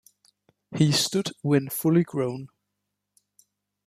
He stood when fully grown.